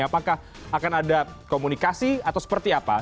apakah akan ada komunikasi atau seperti apa